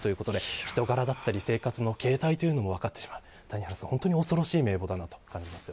人柄や生活の形態も分かってしまう本当に恐ろしい名簿だなと感じます。